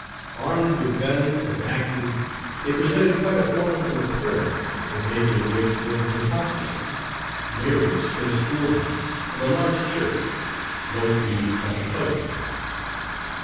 Armed with guns and axes, they presented quite a formidable appearance as they made their way toward the new hospital, near which stood a schoolhouse and a large church, both used by the colored people.